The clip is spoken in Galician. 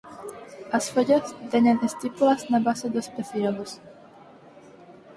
As follas teñen estípulas na base dos pecíolos.